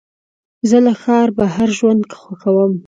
زه له ښاره بهر ژوند خوښوم.